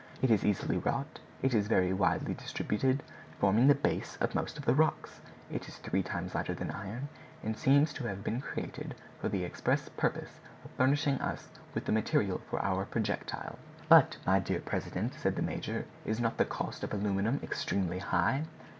It is easily wrought, is very widely distributed, forming the base of most of the rocks, is three times lighter than iron, and seems to have been created for the express purpose of furnishing us with the material for our projectile." "But, my dear president," said the major, "is not the cost price of aluminum extremely high?"